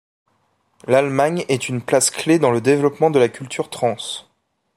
L'Allemagne est une place clé dans le développement de la culture trance.